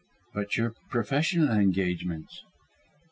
"But your professional engagements?"